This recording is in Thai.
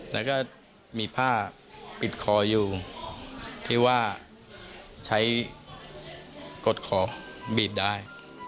แล้วก็มีผ้าปิดคออยู่ที่ว่าใช้กดคอบีบได้